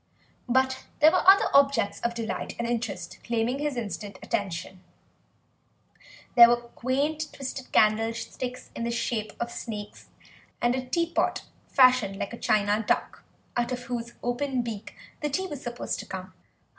But there were other objects of delight and interest claiming his instant attention: there were quaint twisted candlesticks in the shape of snakes, and a teapot fashioned like a china duck, out of whose open beak the tea was supposed to come.